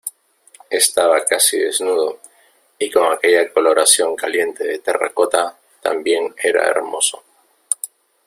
estaba casi desnudo, y con aquella coloración caliente de terracota también era hermoso.